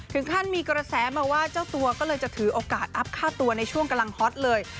ขั้นมีกระแสมาว่าเจ้าตัวก็เลยจะถือโอกาสอัพค่าตัวในช่วงกำลังฮอตเลย